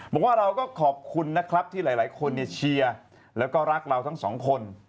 บอกว่าเราก็ขอบคุณนะครับที่หลายคนเชียร์แล้วก็รักเราทั้งสองคน